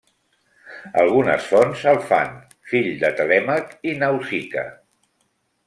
Algunes fonts el fan fill de Telèmac i Nausica.